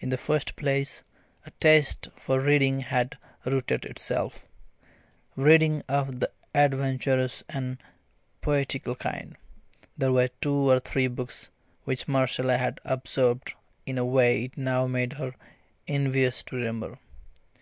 In the first place, a taste for reading had rooted itself reading of the adventurous and poetical kind. There were two or three books which Marcella had absorbed in a way it now made her envious to remember.